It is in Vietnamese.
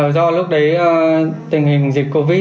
do lúc đấy tình hình dịch covid